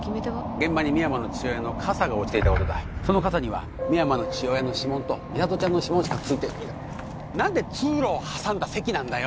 現場に深山の父親の傘が落ちていたことだその傘には深山の父親の指紋と美里ちゃんの指紋しかついて何で通路を挟んだ席なんだよ！？